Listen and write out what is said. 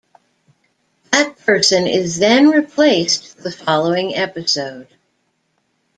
That person is then replaced the following episode.